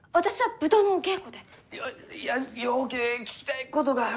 いやようけ聞きたいことがある